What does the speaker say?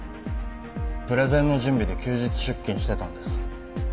プレゼンの準備で休日出勤してたんです。